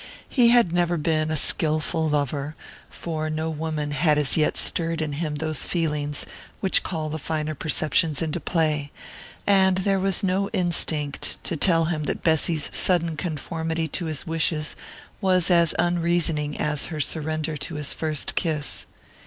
He had never been a skilful lover, for no woman had as yet stirred in him those feelings which call the finer perceptions into play; and there was no instinct to tell him that Bessy's sudden conformity to his wishes was as unreasoning as her surrender to his first kiss.